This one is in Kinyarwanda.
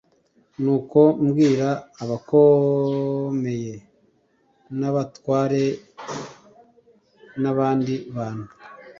Nuko mbwira abakomeye n abatware g n abandi bantu